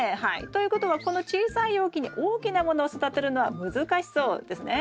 ということはこの小さい容器に大きなものを育てるのは難しそうですね。